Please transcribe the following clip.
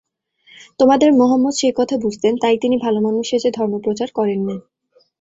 তোমাদের মহম্মদ সে কথা বুঝতেন, তাই তিনি ভালোমানুষ সেজে ধর্মপ্রচার করেন নি।